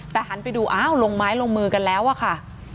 แต่หันไปดูอ้าวลงไม้ลงมือกันแล้วอะค่ะ